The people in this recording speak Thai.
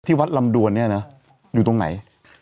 วัดลำดวนเนี่ยนะอยู่ตรงไหน